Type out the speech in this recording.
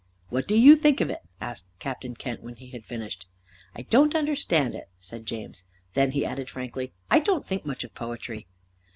"What do you think of it?" asked Captain Kent, when he had finished. "I don't understand it," said James. Then he added frankly, "I don't think much of poetry."